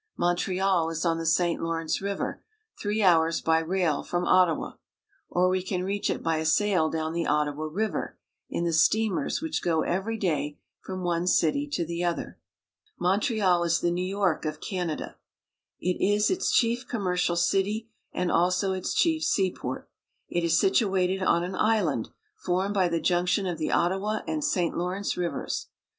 Montreal is on the St. Lawrence River, three hours by rail from Ottawa ; or we can reach it by a sail down the Ot tawa River in the steamers which go every day from one city to the other. V Montreal is the New York of Canada. It is its chief commercial city, and also its chief seaport. It is situated on an island formed by the junction of the Ottawa and St. Lawrence rivers.